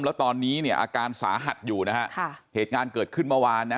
แล้วตอนนี้เนี่ยอาการสาหัสอยู่นะฮะค่ะเหตุการณ์เกิดขึ้นเมื่อวานนะ